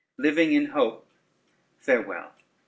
Living in hope. Farewell.